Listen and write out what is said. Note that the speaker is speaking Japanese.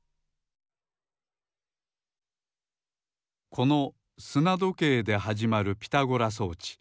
このすなどけいではじまるピタゴラ装置